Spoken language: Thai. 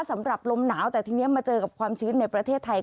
สำหรับลมหนาวแต่ทีนี้มาเจอกับความชื้นในประเทศไทย